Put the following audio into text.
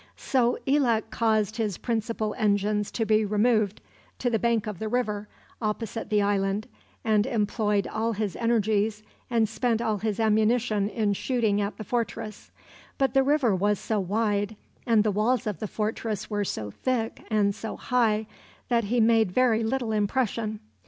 So Elak caused his principal engines to be removed to the bank of the river, opposite the island, and employed all his energies and spent all his ammunition in shooting at the fortress; but the river was so wide, and the walls of the fortress wore so thick and so high, that he made very little impression.